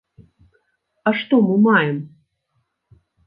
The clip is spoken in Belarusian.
А што мы маем?